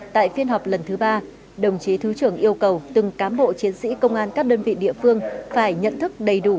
tại phiên họp lần thứ ba đồng chí thứ trưởng yêu cầu từng cám bộ chiến sĩ công an các đơn vị địa phương phải nhận thức đầy đủ